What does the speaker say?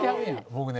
僕ね